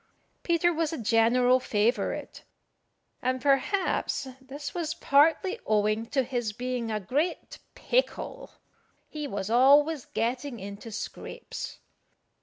Peter was a general favourite, and perhaps this was partly owing to his being a great pickle. He was always getting into scrapes.